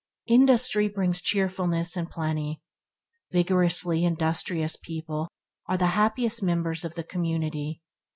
Industry brings cheerfulness and plenty. Vigorously industrious people are the happiest members of the community.